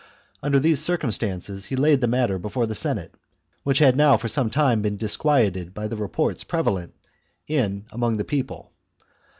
Under these circumstances he laid the matter before the Senate, which had now for some time been disquieted by the reports prevalent among the people.